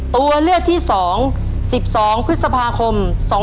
ตัวเลือกที่สอง๑๒พฤษภาคม๒๔๔๘